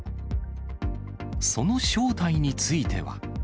その正体については。